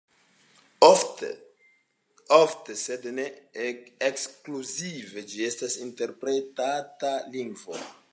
Ofte, sed ne ekskluzive, ĝi estas interpretata lingvo.